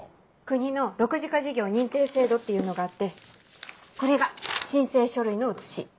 国の６次化事業認定制度っていうのがあってこれが申請書類の写し。